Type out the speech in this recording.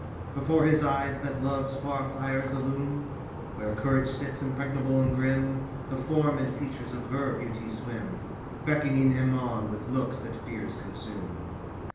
Before his eyes that love's far fires illume Where courage sits, impregnable and grim The form and features of her beauty swim, Beckoning him on with looks that fears consume.